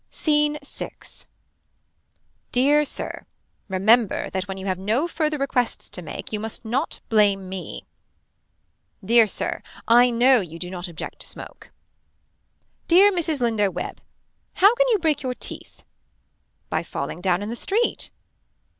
Scene 6. Dear Sir. Remember that when you have no further requests to make you must not blame me. Dear Sir. I know you do not object to smoke. Dear Mrs. Lindo Webb How can you break your teeth. By falling down in the street.